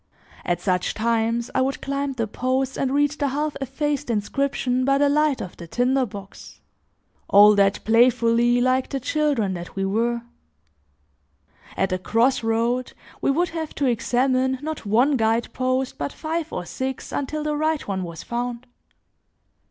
At such times, I would climb the posts and read the half effaced inscription by the light of the tinder box; all that playfully, like the children that we were. At a cross road, we would have to examine not one guide post, but five or six until the right one was found.